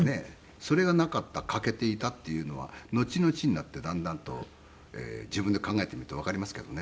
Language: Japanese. それがなかった欠けていたっていうのはのちのちになってだんだんと自分で考えてみるとわかりますけどね。